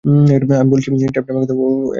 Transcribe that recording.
আমি বলেছি, টেপটি আমাকে দাও ওহ এখন কে সবচেয়ে ধীর?